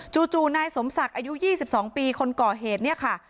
จู่นายสมศักดิ์อายุ๒๒ปีคนก่อเหตุเนี่ยค่ะ